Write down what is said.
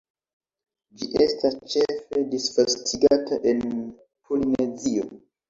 Ĝi estas ĉefe disvastigata en Polinezio.